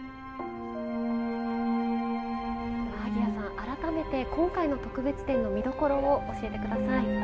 萩谷さん、改めて今回の特別展の見どころを教えてください。